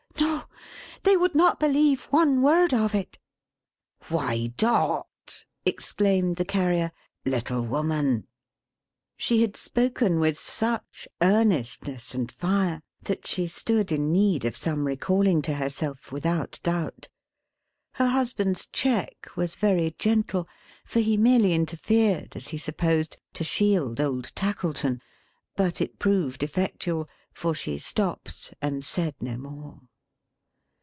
No! they would not believe one word of it!" "Why, Dot!" exclaimed the Carrier. "Little woman!" She had spoken with such earnestness and fire, that she stood in need of some recalling to herself, without doubt. Her husband's check was very gentle, for he merely interfered, as he supposed, to shield old Tackleton; but it proved effectual, for she stopped, and said no more.